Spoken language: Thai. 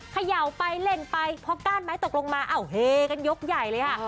เขย่าไปเล่นไปพอก้านไม้ตกลงมาอ้าวเฮกันยกใหญ่เลยค่ะ